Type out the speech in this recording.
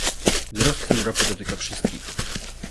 Wzrost cen ropy dotyka wszystkich